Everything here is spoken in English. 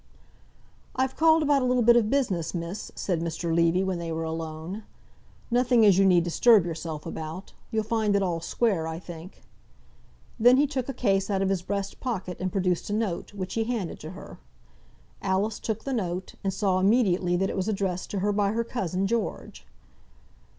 "I've called about a little bit of business, miss," said Mr. Levy, when they were alone. "Nothing as you need disturb yourself about. You'll find it all square, I think." Then he took a case out of his breast pocket, and produced a note, which he handed to her. Alice took the note, and saw immediately that it was addressed to her by her cousin George.